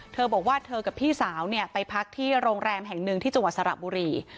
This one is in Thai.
เธอบอกว่าเธอกับพี่สาวไปพักที่โรงแรมแห่งหนึ่งที่จังหวัดสระบุรี